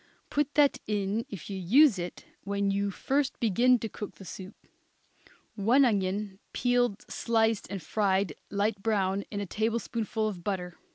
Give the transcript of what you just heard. Put that in, if you use it, when you first begin to cook the soup. One onion, peeled, sliced, and fried light brown in a tablespoonful of butter.